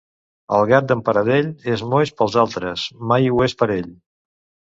El gat d'en Paradell és moix pels altres; mai ho és per ell.